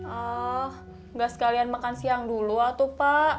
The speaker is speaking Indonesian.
ah gak sekalian makan siang dulu lah tuh pak